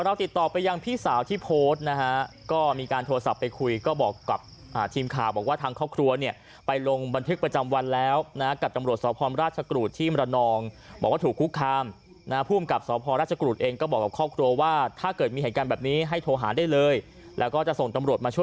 ติดต่อไปยังพี่สาวที่โพสต์นะฮะก็มีการโทรศัพท์ไปคุยก็บอกกับทีมข่าวบอกว่าทางครอบครัวเนี่ยไปลงบันทึกประจำวันแล้วนะกับตำรวจสพมราชกรูดที่มรนองบอกว่าถูกคุกคามนะภูมิกับสพราชกรุษเองก็บอกกับครอบครัวว่าถ้าเกิดมีเหตุการณ์แบบนี้ให้โทรหาได้เลยแล้วก็จะส่งตำรวจมาช่วย